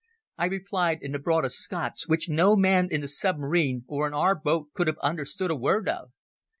I replied in the broadest Scots, which no man in the submarine or in our boat could have understood a word of.